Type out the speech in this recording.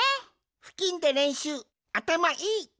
ふきんでれんしゅうあたまいい！